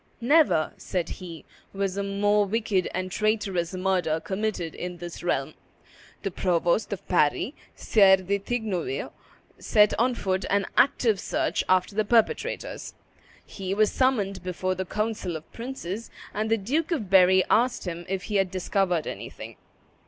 "Never," said he, "was a more wicked and traitorous murder committed in this realm." The provost of Paris, Sire de Tignouville, set on foot an active search after the perpetrators. He was summoned before the council of princes, and the Duke of Berry asked him if he had discovered anything.